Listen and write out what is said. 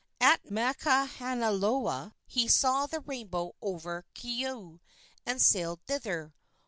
At Makahanaloa he saw the rainbow over Keaau, and sailed thither.